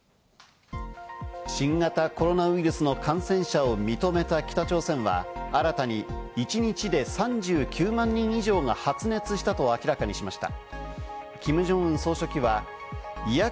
新型コロナウイルスの感染者を認めた北朝鮮は新たに一日で３９万人以上が発熱したと明らかにしました。